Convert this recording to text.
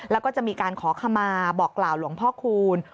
แล้วก็จะมีการขอขมาบอกกล่าวหลวงพ่อคูณ